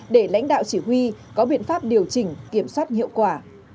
để lãnh đạo chỉ huy có biện pháp điều chỉnh kiểm soát hiệu quả